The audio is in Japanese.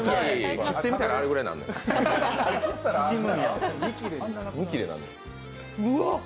切ってみたらあれぐらいになんのよ。うわ！